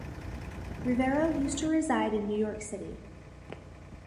Rivero used to reside in New York City.